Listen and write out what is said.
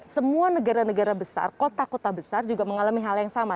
semua negara negara besar kota kota besar juga mengalami hal yang sama